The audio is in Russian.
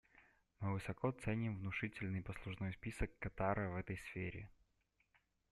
Мы высоко ценим внушительный послужной список Катара в этой сфере.